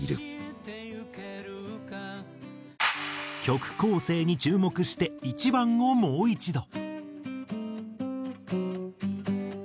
曲構成に注目して１番をもう一度。